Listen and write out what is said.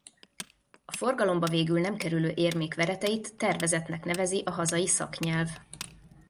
A forgalomba végül nem kerülő érmék vereteit tervezetnek nevezi a hazai szaknyelv.